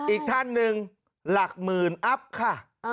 อีกท่านหนึ่งหลักหมื่นอัพค่ะ